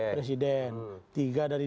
presiden tiga dari